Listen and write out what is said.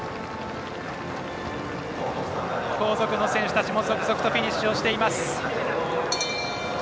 後続の選手たちも続々とフィニッシュしています。